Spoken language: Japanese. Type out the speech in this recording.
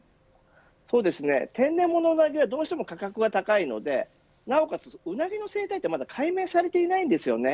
そうですね、天然もののウナギはどうしても価格が高いのでなおかつウナギの生態は解明されていないんです。